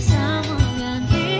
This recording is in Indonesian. agar semua tak berakhir